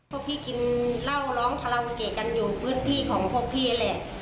พวกพี่กินเหล้าร้องคาราโอเกะกันอยู่พื้นที่ของพวกพี่แหละ